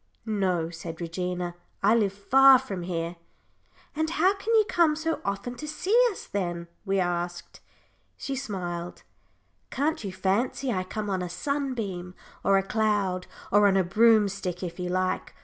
"No," said Regina. "I live far from here." "And how can you come so often to see us, then?" we asked. She smiled. "Can't you fancy I come on a sunbeam, or a cloud, or on a broomstick if you like?